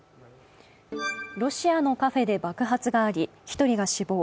ロシアのカフェで爆発があり、１人が死亡。